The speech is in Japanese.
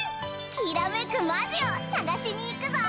きらめくマジを探しにいくぞ！